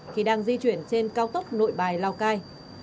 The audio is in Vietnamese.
khi đang di chuyển trên cao tốc nội bài lào cai